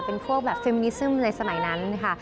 เป็นพวกแบบฟิลมิซึมในสมัยนั้นค่ะ